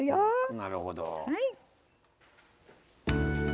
なるほど。